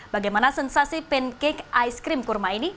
bagaimana sensasi pancake ice cream kurma ini